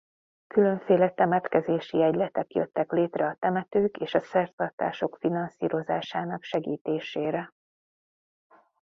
Különféle temetkezési egyletek jöttek létre a temetők és a szertartások finanszírozásának segítésére.